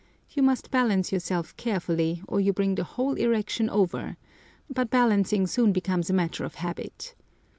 You must balance yourself carefully, or you bring the whole erection over; but balancing soon becomes a matter of habit.